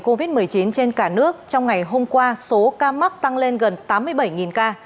covid một mươi chín trên cả nước trong ngày hôm qua số ca mắc tăng lên gần tám mươi bảy ca